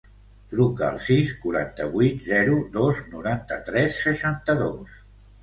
Truca al sis, quaranta-vuit, zero, dos, noranta-tres, seixanta-dos.